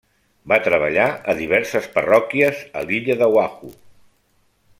Va treballar a diverses parròquies a l'illa d'Oahu.